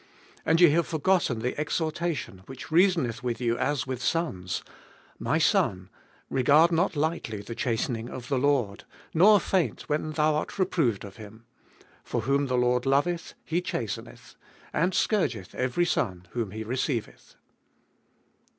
And ye have forgotten the exhortation, which reasoneth with you as with sons, My son, regard not lightly the chastening of the Lcrd, Nor faint when thou art reproved of him ; For whom the Lord loveth he chasteneth, And scourgeth every son whom he receiveth.